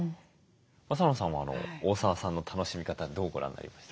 和佐野さんは大澤さんの楽しみ方どうご覧になりました？